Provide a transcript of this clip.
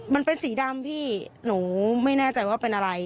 มันเป็นสีดำพี่หนูไม่แน่ใจว่าเป็นอะไร